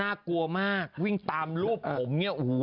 น่ากลัวมากวิ่งตามรูปผมเนี่ย